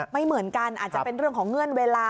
ไม่เหมือนกันอาจจะเป็นเรื่องของเงื่อนเวลา